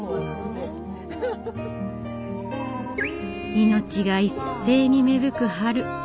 命が一斉に芽吹く春。